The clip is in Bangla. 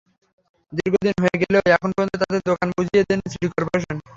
দীর্ঘদিন হয়ে গেলেও এখন পর্যন্ত তাঁদের দোকান বুঝিয়ে দেয়নি সিটি করপোরেশন।